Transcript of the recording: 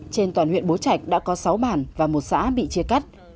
trên toàn huyện bố trạch đã có sáu bản và một xã bị chia cắt